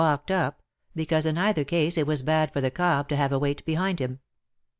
11 walked up — because in either case it was bad for the cob to have a weight behind him.